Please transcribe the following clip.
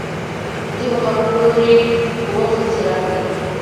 دې مقابل لورى اووه ښځې راکړي.